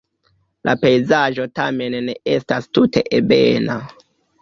La pejzaĝo tamen ne estas tute ebena.